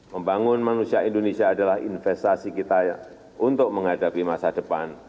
membangun manusia indonesia adalah investasi kita untuk menghadapi masa depan